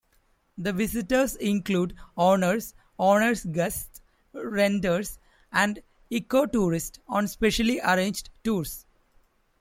The visitors include owners, owners' guests, renters and ecotourists on specially arranged tours.